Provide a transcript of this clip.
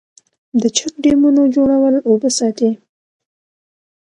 د چک ډیمونو جوړول اوبه ساتي